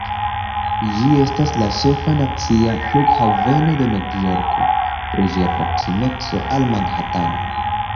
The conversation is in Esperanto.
Ĝi estas la ĉefa nacia flughaveno de Novjorko, pro ĝia proksimeco al Manhatano.